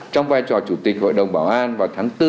trong vai trò chủ tịch hội đồng bảo an vào tháng bốn